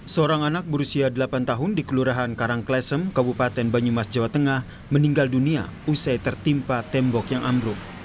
seorang anak berusia delapan tahun di kelurahan karangklesem kabupaten banyumas jawa tengah meninggal dunia usai tertimpa tembok yang ambruk